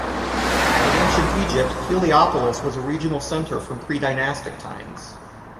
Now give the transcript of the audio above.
In ancient Egypt, Heliopolis was a regional center from predynastic times.